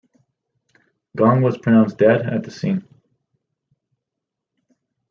Gong was pronounced dead at the scene.